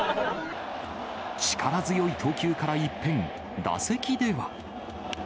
力強い投球から一変、打席では。